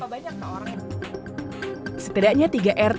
bapak ada berapa banyak orang